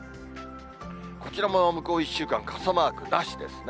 こちらも向こう１週間、傘マークなしですね。